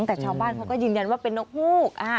แต่ชาวบ้านเขาก็ยืนยันว่าเป็นนกฮูก